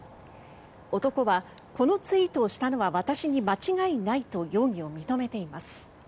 男はこのツイートをしたのは私に間違いないと容疑を認めています。